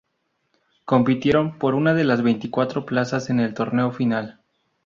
Compitieron por una de las veinticuatro plazas en el torneo final.